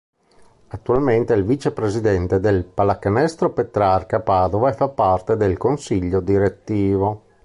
Attualmente è il vicepresidente del Pallacanestro Petrarca Padova e fa parte del consiglio direttivo.